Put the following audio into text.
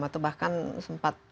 atau bahkan sempat berapa jam